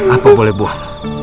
apa boleh buat